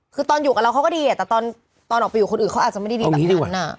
คือตอนอยู่กับเราเขาก็ดีแต่ตอนออกไปอยู่คนอื่นเขาอาจจะไม่ได้ดีแบบนั้น